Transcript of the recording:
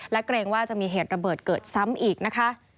และเกรงว่าจะมีเหตุระเบิดเกิดซ้ำอีกนะคะ